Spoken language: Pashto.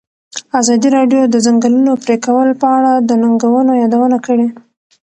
ازادي راډیو د د ځنګلونو پرېکول په اړه د ننګونو یادونه کړې.